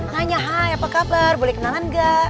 nanya hai apa kabar boleh kenalan enggak